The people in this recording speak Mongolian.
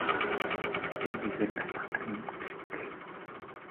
Нэг нэгээр нь асгадаг юм гэцгээв.